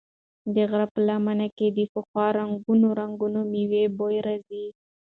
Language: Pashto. د غره په لمنو کې د پخو رنګارنګو مېوو بوی راځي.